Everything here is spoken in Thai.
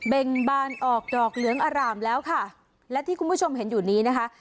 เบ่งบานออกดอกเหลืองอร่ามแล้วค่ะและที่คุณผู้ชมเห็นอยู่นี้นะคะ